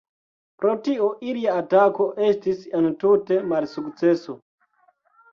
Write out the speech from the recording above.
Pro tio, ilia atako estis entute malsukceso.